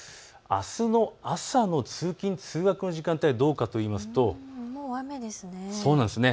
あすの朝の通勤通学の時間帯はどうかというと雨ですね。